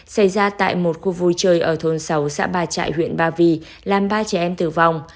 xảy ra tại một khu vui chơi ở thôn sáu xã ba trại huyện ba vì làm ba trẻ em tử vong